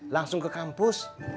langsung ke kampus